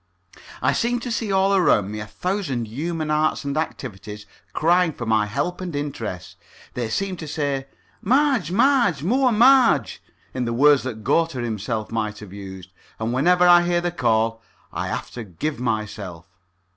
I seem to see all around me a thousand human arts and activities crying for my help and interest. They seem to say "Marge, Marge, more Marge!" in the words that Goethe himself might have used. And whenever I hear the call I have to give myself.